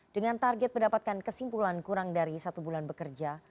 dengan target mendapatkan kesimpulan kurang dari satu bulan bekerja